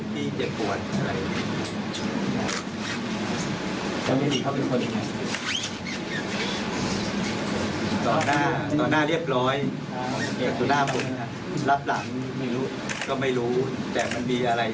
ต่อหน้าเรียบร้อยต่อหน้าผมรับหลังก็ไม่รู้แต่มันมีอะไร